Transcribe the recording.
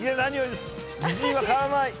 美人は変わらない。